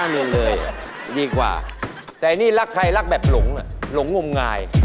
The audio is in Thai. ก็เลยติ๊กไว้แล้วสอง